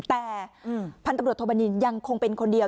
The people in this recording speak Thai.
แต่พันธุ์ตำรวจโทบัญญินยังคงเป็นคนเดียว